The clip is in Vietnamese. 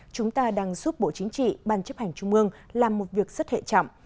chúng ta đang giúp bộ chính trị ban chấp hành trung ương làm một việc rất hệ trọng